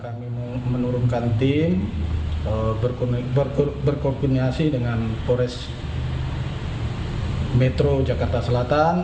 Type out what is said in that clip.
kami menurunkan tim berkoordinasi dengan pores metro jakarta selatan